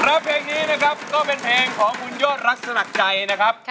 แล้วเพลงนี้นะครับก็เป็นเพลงของคุณยอดรักสมัครใจนะครับ